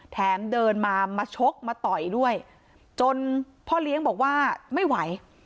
เดินมามาชกมาต่อยด้วยจนพ่อเลี้ยงบอกว่าไม่ไหว